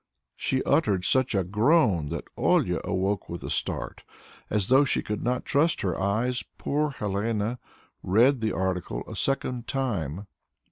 She uttered such a groan that Olia awoke with a start. As though she could not trust her eyes, poor Helene read the article a second time.